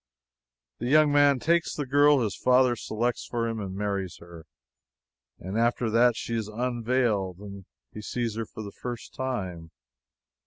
The young man takes the girl his father selects for him, marries her, and after that she is unveiled, and he sees her for the first time.